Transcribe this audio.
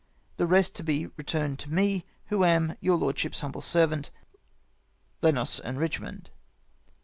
The rest to be retm'ned to me, who am " Your lordship's humble servant, " Lenos and Eichmond.